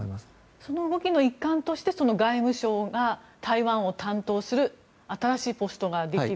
その動きの一環として外務省が台湾を担当する新しいポストができる。